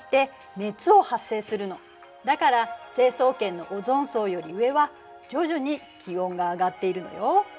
だから成層圏のオゾン層より上は徐々に気温が上がっているのよ。